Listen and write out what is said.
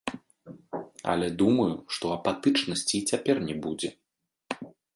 Але думаю, што апатычнасці і цяпер не будзе.